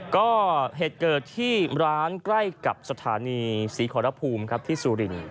ก็เหตุเกิดที่ร้านใกล้กับสถานีศรีขอรภูมิครับที่สุริน